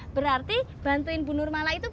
berarti bantuin bu nurmala itu